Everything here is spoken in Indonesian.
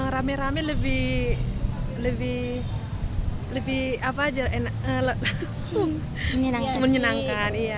rame rame lebih lebih lebih apa aja menyenangkan